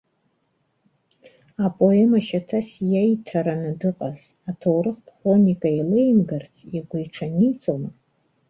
Апоема шьаҭас иаиҭараны дыҟаз аҭоурыхтә хроника еилеимгарц игәы иҽаниҵома?